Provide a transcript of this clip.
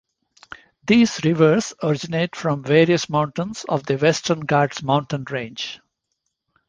These rivers originate from various mountains of the Western Ghats mountain range.